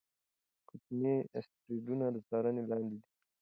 کوچني اسټروېډونه د څارنې لاندې دي.